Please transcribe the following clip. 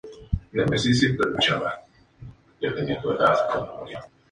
La corola es pequeña y de color rosado o blanco.